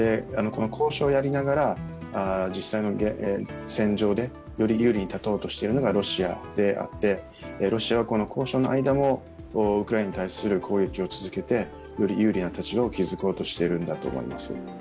交渉をやりながら実際の戦場で、より有利に立とうとしているのがロシアでロシアはこの交渉の間のウクライナに対する攻撃を続けてより有利な立場を築こうとしているんだと思います。